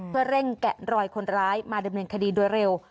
เพื่อเร่งแกะรอยคนร้ายมาดำเนินคดีโดยเร็ว